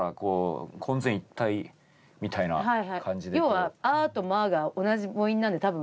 要は「あ」と「ま」が同じ母音なんで多分。